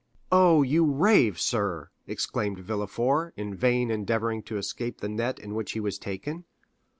"Oh, you rave, sir," exclaimed Villefort, in vain endeavoring to escape the net in which he was taken.